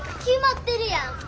決まってるやん。